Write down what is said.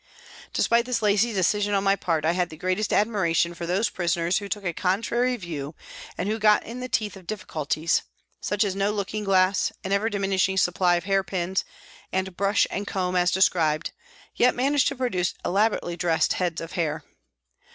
Despite this lazy decision on my part I had the greatest admiration for those prisoners who took a contrary view and who in the teeth of difficulties, such as no looking glass, an ever diminishing supply of hair pins, and the brush and comb as described, yet managed to produce elaborately dressed heads of hair.